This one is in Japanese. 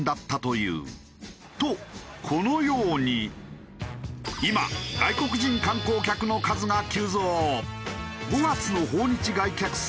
とこのように今外国人観光客の数が急増。